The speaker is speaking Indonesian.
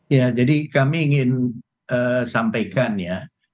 ya jadi kami ingin sampaikan ya